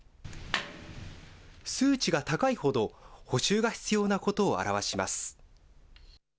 数値が高いほど、補修が必要なことを表します。